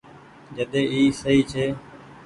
جڏي اي سئي ڇي۔